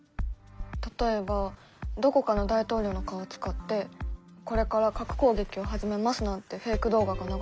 例えばどこかの大統領の顔を使って「これから核攻撃を始めます」なんてフェイク動画が流れたら。